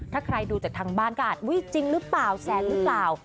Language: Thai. ถ้าใครดูจากทางบ้านก็อาจอุ๊ยจริงหรือเปล่าแสนหรือเปล่า